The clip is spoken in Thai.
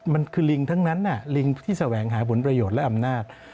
มันคือลิงทั้งนั้นลิงที่แสวงหาผลประโยชน์และอำนาจ